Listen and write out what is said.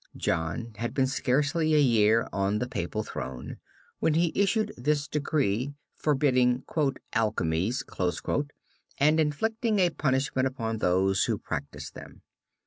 John had been scarcely a year on the papal throne when he issued this decree forbidding "alchemies" and inflicting a punishment upon those who practised them.